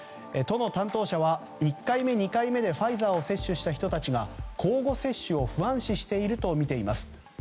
都の担当者は１回目、２回目でファイザーを接種した人たちが交互接種を不安視しているとみています。